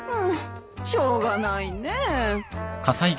しょうがないねえ。